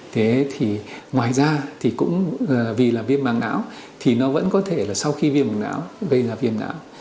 thế thì ngoài ra thì cũng vì là viêm mảng não thì nó vẫn có thể là sau khi viêm não gây ra viêm não